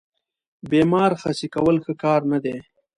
بیمار خسي کول ښه کار نه دی.